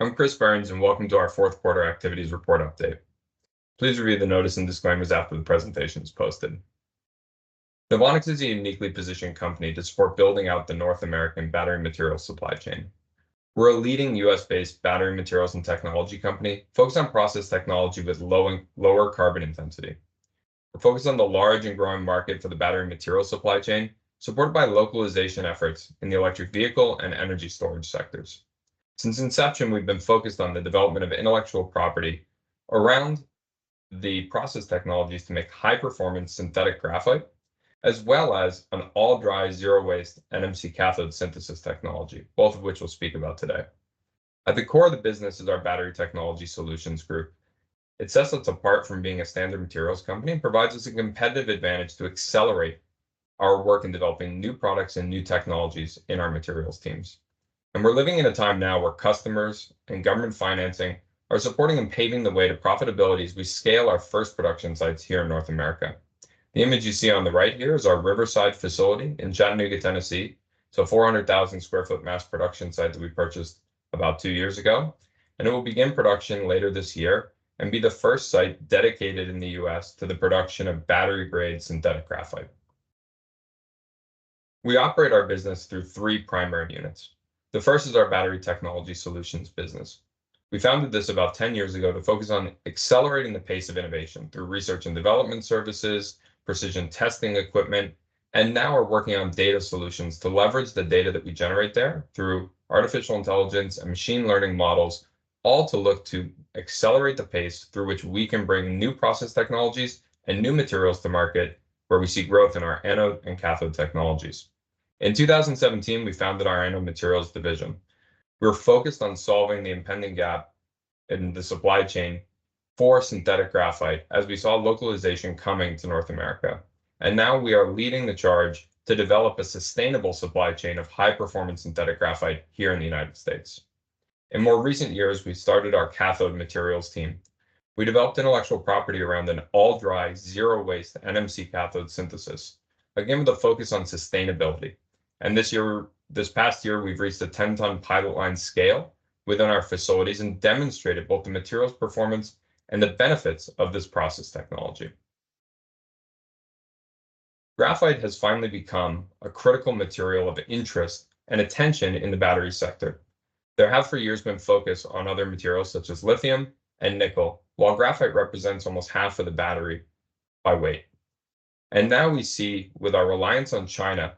Hi, I'm Chris Burns, and welcome to our fourth quarter activities report update. Please review the notice and disclaimers after the presentation is posted. NOVONIX is a uniquely positioned company to support building out the North American battery material supply chain. We're a leading U.S.-based battery materials and technology company focused on process technology with low and lower carbon intensity. We're focused on the large and growing market for the battery material supply chain, supported by localization efforts in the electric vehicle and energy storage sectors. Since inception, we've been focused on the development of intellectual property around the process technologies to make high-performance synthetic graphite, as well as an all-dry, zero-waste NMC cathode synthesis technology, both of which we'll speak about today. At the KORE of the business is our Battery Technology Solutions group. It sets us apart from being a standard materials company and provides us a competitive advantage to accelerate our work in developing new products and new technologies in our materials teams. We're living in a time now where customers and government financing are supporting and paving the way to profitability as we scale our first production sites here in North America. The image you see on the right here is our Riverside facility in Chattanooga, Tennessee. It's a 400,000 sq ft mass production site that we purchased about two years ago, and it will begin production later this year and be the first site dedicated in the U.S. to the production of battery-grade synthetic graphite. We operate our business through three primary units. The first is our Battery Technology Solutions business. We founded this about 10 years ago to focus on accelerating the pace of innovation through research and development services, precision testing equipment, and now we're working on data solutions to leverage the data that we generate there through artificial intelligence and machine learning models, all to look to accelerate the pace through which we can bring new process technologies and new materials to market, where we see growth in our anode and cathode technologies. In 2017, we founded our Anode Materials Division. We're focused on solving the impending gap in the supply chain for synthetic graphite as we saw localization coming to North America. Now we are leading the charge to develop a sustainable supply chain of high-performance synthetic graphite here in the United States. In more recent years, we started our Cathode Materials Team. We developed intellectual property around an All-Dry, Zero-Waste NMC cathode synthesis, again, with a focus on sustainability. This year, this past year, we've reached a 10-ton pilot line scale within our facilities and demonstrated both the materials performance and the benefits of this process technology. Graphite has finally become a critical material of interest and attention in the battery sector. There have, for years, been focus on other materials, such as lithium and nickel, while graphite represents almost half of the battery by weight. Now we see, with our reliance on China,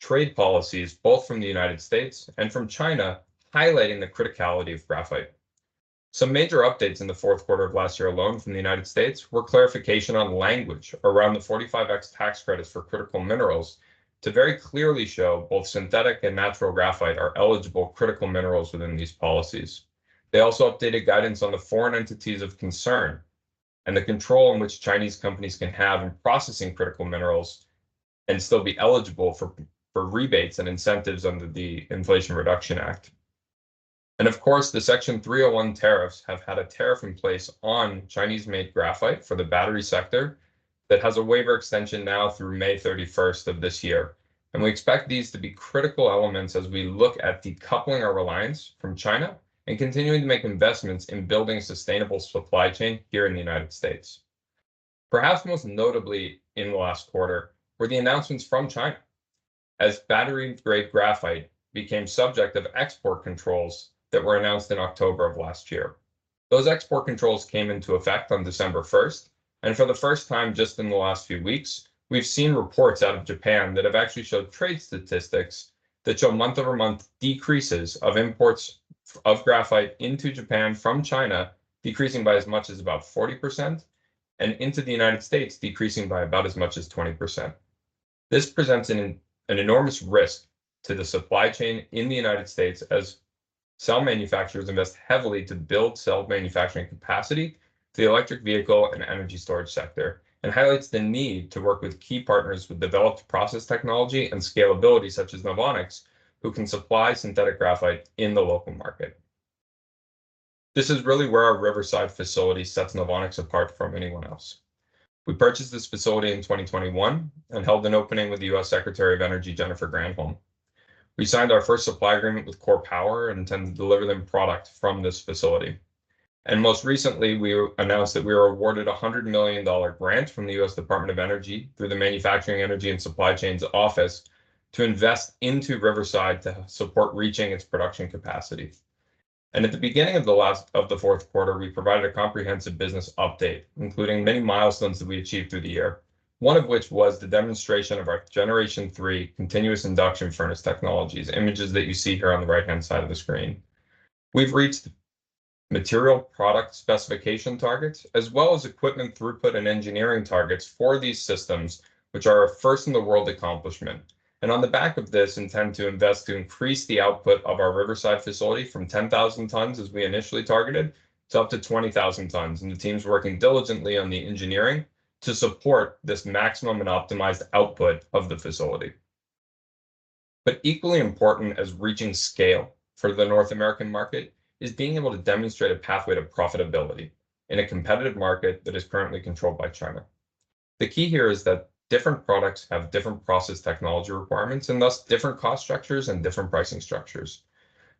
trade policies, both from the United States and from China, highlighting the criticality of graphite. Some major updates in the fourth quarter of last year alone from the United States were clarification on language around the 45X tax credits for critical minerals, to very clearly show both synthetic and natural graphite are eligible critical minerals within these policies. They also updated guidance on the Foreign Entities of Concern and the control in which Chinese companies can have in processing critical minerals and still be eligible for rebates and incentives under the Inflation Reduction Act. And of course, the Section 301 tariffs have had a tariff in place on Chinese-made graphite for the battery sector that has a waiver extension now through May 31 of this year. And we expect these to be critical elements as we look at decoupling our reliance from China and continuing to make investments in building sustainable supply chain here in the United States. Perhaps most notably in the last quarter, were the announcements from China, as battery-grade graphite became subject of export controls that were announced in October of last year. Those export controls came into effect on December first, and for the first time, just in the last few weeks, we've seen reports out of Japan that have actually showed trade statistics that show month-over-month decreases of imports of graphite into Japan from China, decreasing by as much as about 40%, and into the United States, decreasing by about as much as 20%. This presents an enormous risk to the supply chain in the United States as cell manufacturers invest heavily to build cell manufacturing capacity to the electric vehicle and energy storage sector, and highlights the need to work with key partners with developed process technology and scalability, such as NOVONIX, who can supply synthetic graphite in the local market. This is really where our Riverside facility sets NOVONIX apart from anyone else. We purchased this facility in 2021 and held an opening with the U.S. Secretary of Energy, Jennifer Granholm. We signed our first supply agreement with PowerCo and intend to deliver them product from this facility. Most recently, we announced that we were awarded a $100 million grant from the U.S. Department of Energy through the Manufacturing Energy and Supply Chains Office to invest into Riverside to support reaching its production capacity. At the beginning of the last, of the fourth quarter, we provided a comprehensive business update, including many milestones that we achieved through the year. One of which was the demonstration of our Generation 3 continuous induction furnace technologies, images that you see here on the right-hand side of the screen. We've reached material product specification targets, as well as equipment throughput and engineering targets for these systems, which are a first-in-the-world accomplishment, and on the back of this, intend to invest to increase the output of our Riverside facility from 10,000 tons, as we initially targeted, to up to 20,000 tons. The team's working diligently on the engineering to support this maximum and optimized output of the facility. But equally important as reaching scale for the North American market, is being able to demonstrate a pathway to profitability in a competitive market that is currently controlled by China. The key here is that different products have different process technology requirements and thus different cost structures and different pricing structures.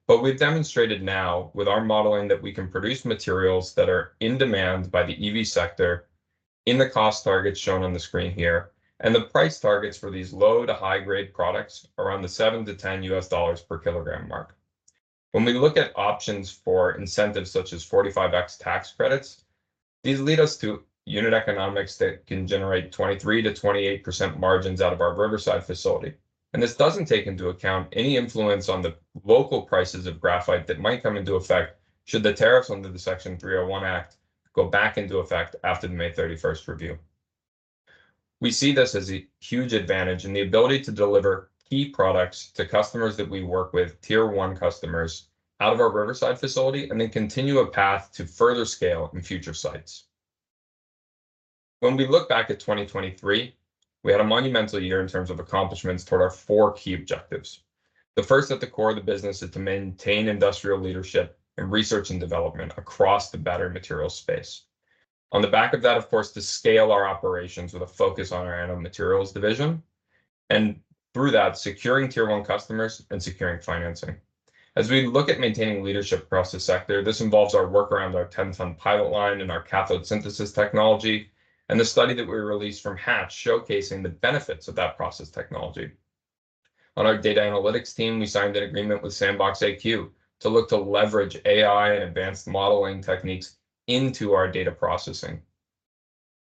But we've demonstrated now with our modeling, that we can produce materials that are in demand by the EV sector in the cost targets shown on the screen here, and the price targets for these low to high-grade products are around the $7-$10 per kilogram mark. When we look at options for incentives such as 45X tax credits, these lead us to unit economics that can generate 23%-28% margins out of our Riverside facility. This doesn't take into account any influence on the local prices of graphite that might come into effect should the tariffs under the Section 301 Act go back into effect after the May 31st review. We see this as a huge advantage in the ability to deliver key products to customers that we work with, tier one customers, out of our Riverside facility, and then continue a path to further scale in future sites. When we look back at 2023, we had a monumental year in terms of accomplishments toward our four key objectives. The first, at the core of the business, is to maintain industrial leadership in research and development across the battery materials space. On the back of that, of course, to scale our operations with a focus on our Anode Materials division, and through that, securing tier one customers and securing financing. As we look at maintaining leadership across the sector, this involves our work around our 10-ton pilot line and our cathode synthesis technology, and the study that we released from Hatch, showcasing the benefits of that process technology. On our data analytics team, we signed an agreement with SandboxAQ to look to leverage AI and advanced modeling techniques into our data processing.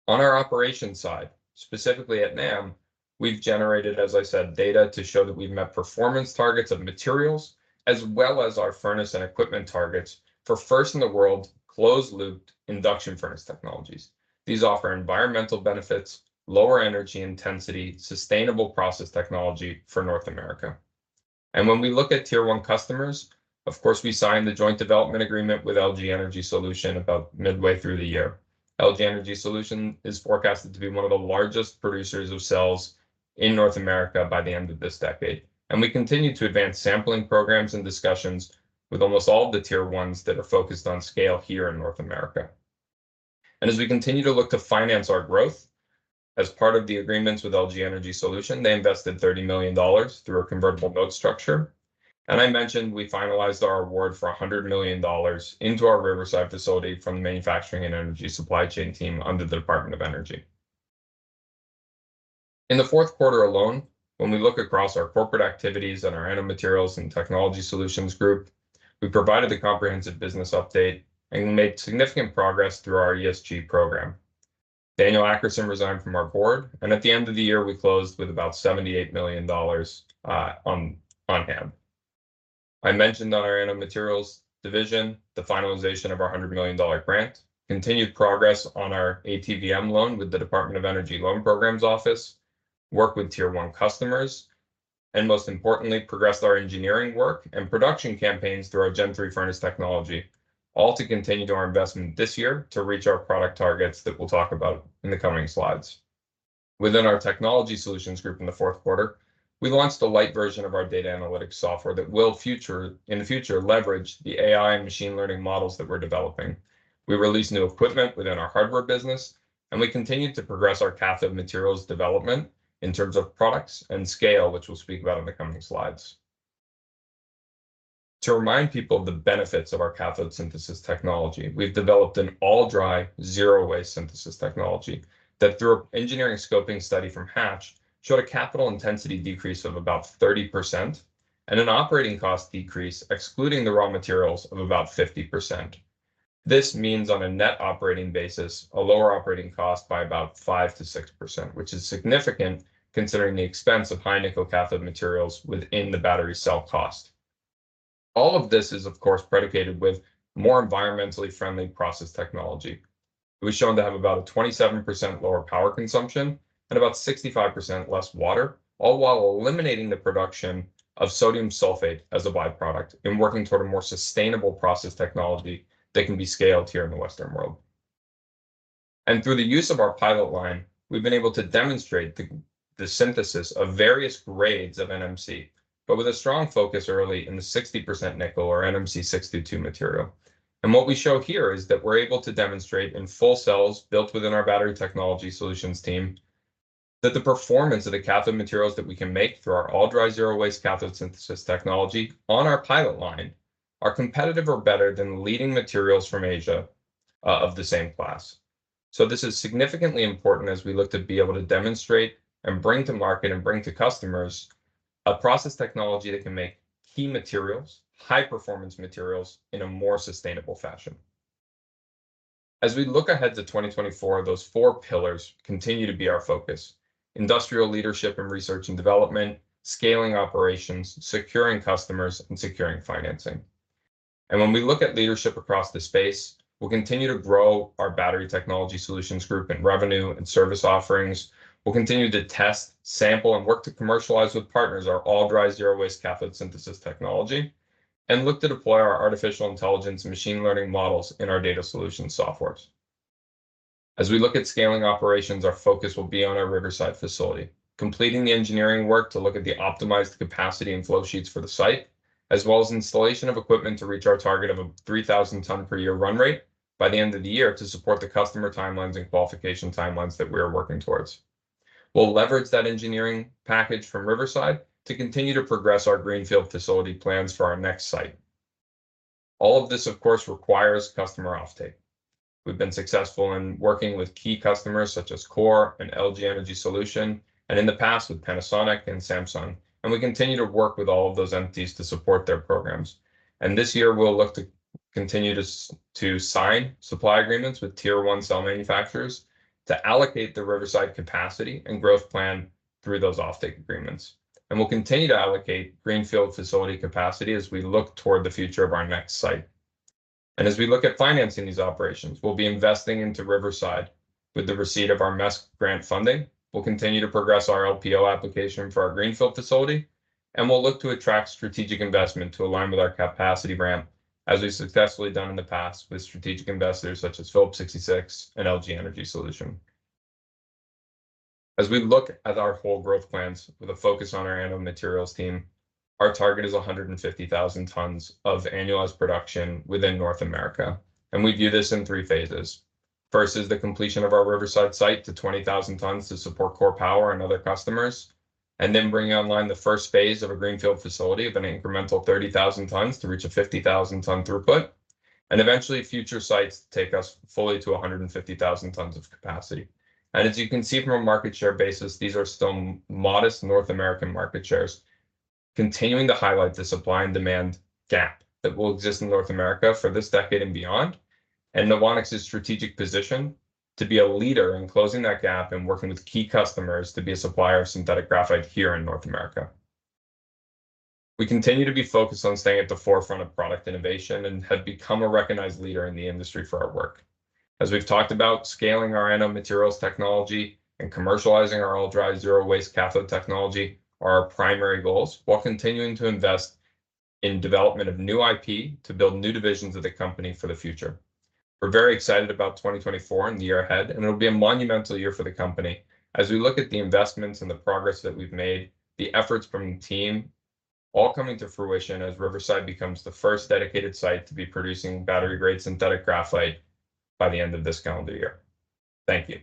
On our operations side, specifically at NAM, we've generated, as I said, data to show that we've met performance targets of materials, as well as our furnace and equipment targets for first-in-the-world closed-loop induction furnace technologies. These offer environmental benefits, lower energy intensity, sustainable process technology for North America. When we look at tier one customers, of course, we signed the joint development agreement with LG Energy Solution about midway through the year. LG Energy Solution is forecasted to be one of the largest producers of cells in North America by the end of this decade, and we continue to advance sampling programs and discussions with almost all of the tier ones that are focused on scale here in North America. As we continue to look to finance our growth, as part of the agreements with LG Energy Solution, they invested $30 million through a convertible note structure. I mentioned, we finalized our award for $100 million into our Riverside facility from the Manufacturing Energy and Supply Chains Office under the Department of Energy. In the fourth quarter alone, when we look across our corporate activities and our Anode Materials and Technology Solutions Group, we provided a comprehensive business update and we made significant progress through our ESG program. Daniel Akerson resigned from our board, and at the end of the year, we closed with about $78 million on hand. I mentioned on our Anode Materials Division, the finalization of our $100 million grant, continued progress on our ATVM loan with the Department of Energy Loan Programs Office, worked with tier one customers, and most importantly, progressed our engineering work and production campaigns through our Gen 3 furnace technology, all to continue to our investment this year to reach our product targets that we'll talk about in the coming slides. Within our Technology Solutions group, in the fourth quarter, we launched a light version of our data analytics software that will in the future leverage the AI and machine learning models that we're developing. We released new equipment within our hardware business, and we continued to progress our cathode materials development in terms of products and scale, which we'll speak about in the coming slides. To remind people of the benefits of our cathode synthesis technology, we've developed an all-dry, zero-waste synthesis technology that, through our engineering scoping study from Hatch, showed a capital intensity decrease of about 30% and an operating cost decrease, excluding the raw materials, of about 50%. This means on a net operating basis, a lower operating cost by about 5%-6%, which is significant considering the expense of high nickel cathode materials within the battery cell cost. All of this is, of course, predicated with more environmentally friendly process technology. It was shown to have about a 27% lower power consumption and about 65% less water, all while eliminating the production of sodium sulfate as a by-product and working toward a more sustainable process technology that can be scaled here in the Western world. Through the use of our pilot line, we've been able to demonstrate the synthesis of various grades of NMC, but with a strong focus early in the 60% nickel or NMC 622 material. And what we show here is that we're able to demonstrate in full cells built within our Battery Technology Solutions team, that the performance of the cathode materials that we can make through our all-dry, zero-waste cathode synthesis technology on our pilot line are competitive or better than leading materials from Asia of the same class. This is significantly important as we look to be able to demonstrate and bring to market and bring to customers a process technology that can make key materials, high-performance materials, in a more sustainable fashion. As we look ahead to 2024, those four pillars continue to be our focus: industrial leadership and research and development, scaling operations, securing customers, and securing financing. When we look at leadership across the space, we'll continue to grow our Battery Technology Solutions Group in revenue and service offerings. We'll continue to test, sample, and work to commercialize with partners our all-dry, zero-waste cathode synthesis technology and look to deploy our artificial intelligence and machine learning models in our data solution softwares. As we look at scaling operations, our focus will be on our Riverside facility, completing the engineering work to look at the optimized capacity and flow sheets for the site. as well as installation of equipment to reach our target of a 3,000-ton per year run rate by the end of the year to support the customer timelines and qualification timelines that we are working towards. We'll leverage that engineering package from Riverside to continue to progress our greenfield facility plans for our next site. All of this, of course, requires customer offtake. We've been successful in working with key customers such as Core and LG Energy Solution, and in the past, with Panasonic and Samsung, and we continue to work with all of those entities to support their programs. And this year, we'll look to continue to sign supply agreements with Tier One cell manufacturers to allocate the Riverside capacity and growth plan through those offtake agreements. And we'll continue to allocate greenfield facility capacity as we look toward the future of our next site. As we look at financing these operations, we'll be investing into Riverside with the receipt of our MESC grant funding. We'll continue to progress our LPO application for our greenfield facility, and we'll look to attract strategic investment to align with our capacity ramp, as we've successfully done in the past with strategic investors such as Phillips 66 and LG Energy Solution. As we look at our whole growth plans with a focus on our anode materials team, our target is 150,000 tons of annualized production within North America, and we view this in three phases. First is the completion of our Riverside site to 20,000 tons to support PowerCo and other customers. Then bring online the first phase of a greenfield facility of an incremental 30,000 tons to reach a 50,000-ton throughput, and eventually, future sites to take us fully to 150,000 tons of capacity. As you can see from a market share basis, these are still modest North American market shares, continuing to highlight the supply and demand gap that will exist in North America for this decade and beyond. NOVONIX's strategic position to be a leader in closing that gap and working with key customers to be a supplier of synthetic graphite here in North America. We continue to be focused on staying at the forefront of product innovation and have become a recognized leader in the industry for our work. As we've talked about, scaling our anode materials technology and commercializing our all-dry, zero-waste cathode technology are our primary goals, while continuing to invest in development of new IP to build new divisions of the company for the future. We're very excited about 2024 and the year ahead, and it'll be a monumental year for the company as we look at the investments and the progress that we've made, the efforts from the team all coming to fruition as Riverside becomes the first dedicated site to be producing battery-grade synthetic graphite by the end of this calendar year. Thank you.